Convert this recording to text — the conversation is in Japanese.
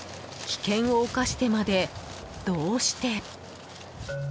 危険を冒してまで、どうして。